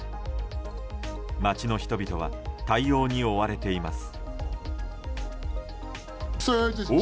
街の人々は対応に追われています。